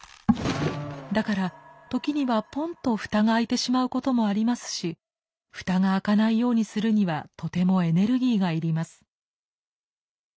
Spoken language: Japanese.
だから時にはポンと蓋が開いてしまうこともありますし蓋が開かないようにするにはとてもエネルギーがいります。